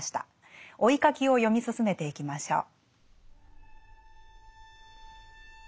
「追ひ書き」を読み進めていきましょう。